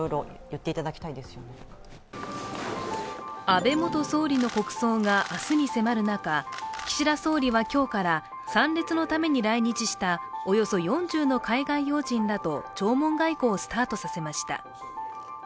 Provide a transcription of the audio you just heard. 安倍元総理の国葬が明日に迫る中岸田総理は今日から参列のために来日したおよそ４０の海外要人らと弔問外交をスタートさせました。